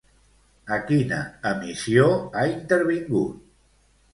A quina emissió ha intervingut?